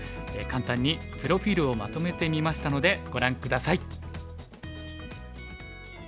簡単にプロフィールをまとめてみましたのでご覧下さい。